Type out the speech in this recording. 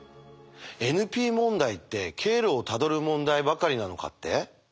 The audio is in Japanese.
ＮＰ問題って経路をたどる問題ばかりなのかって？